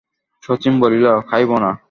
শচীশ বলিল, খাইব না।